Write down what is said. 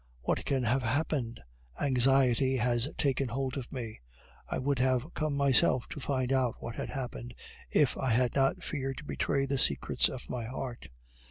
What can have happened? Anxiety has taken hold of me. I would have come myself to find out what had happened, if I had not feared to betray the secrets of my heart.